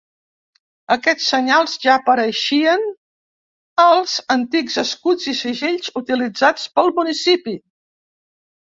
Aquests senyals ja apareixien als antics escuts i segells utilitzats pel municipi.